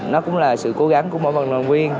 nó cũng là sự cố gắng của mỗi vận động viên